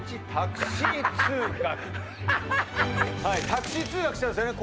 タクシー通学してたんですよね